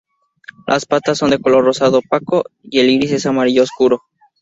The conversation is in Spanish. Las patas son de color rosado opaco y el iris es amarillo oscuro.